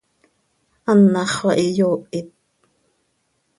Anàxö xah iyoohit.